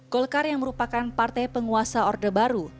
golkar yang merupakan partai penguasa orde baru